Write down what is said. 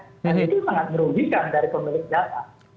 dan itu memang merugikan dari pemilik data